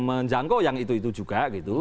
menjangkau yang itu itu juga gitu